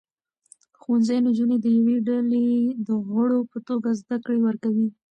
ښوونځي نجونې د یوې ډلې د غړو په توګه زده کړې ورکوي.